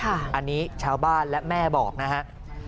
อันนี้ชาวบ้านและแม่บอกนะครับ